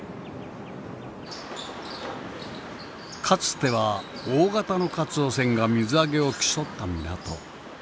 かつては大型のカツオ船が水揚げを競った港。